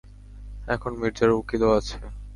এখন মির্জার উকিলও আছে!